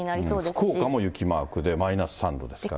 福岡も雪マークで、マイナス３度ですから。